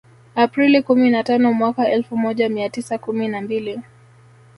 Aprili kumi na tano mwaka elfu moja mia tisa kumi na mbili